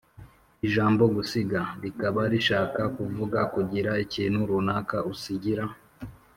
– Ijambo gusiga, rikaba rishaka kuvuga kugira ikintu runaka usigira